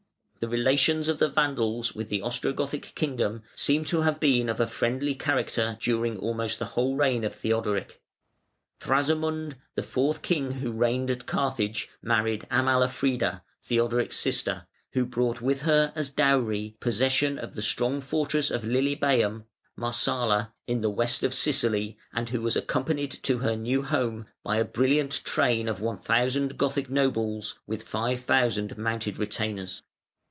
The relations of the Vandals with the Ostrogothic kingdom seem to have been of a friendly character during almost the whole reign of Theodoric. Thrasamund, the fourth king who reigned at Carthage, married Amalafrida, Theodoric's sister, who brought with her, as dowry, possession of the strong fortress of Lilybæum (Marsala), in the west of Sicily, and who was accompanied to her new home by a brilliant train of one thousand Gothic nobles with five thousand mounted retainers.